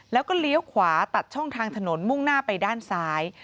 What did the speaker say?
แล้วก็เลี้ยวขวาตัดช่องทางถนนมุ่งหน้าไปด้านซ้าย